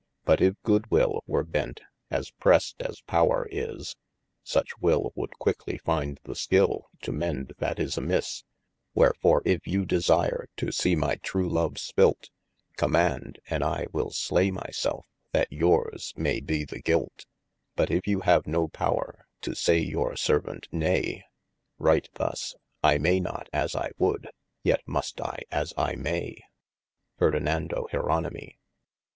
But if good will were bent as prest as power is, Such will would quicklie find the skil to mende that is a misse. Wherefore if you desire to see my true love spilt, Commaund and I will slea my selfe, that yours male be the gilt, But if you have no power to saie your servaunt naie, Write thus: I maie not as I would, yet must I as I maie. Ferdinando. Jeronimy.